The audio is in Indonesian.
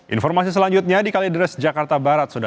informasi selanjutnya di kalideres jakarta barat